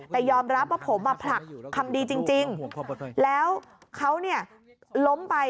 แต่ยอมรับว่าผมผลักคำดีจริงแล้วเขาเนี่ยล้มไป